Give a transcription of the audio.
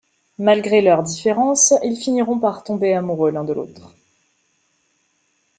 Malgré leurs différences, ils finiront par tomber amoureux l'un de l'autre.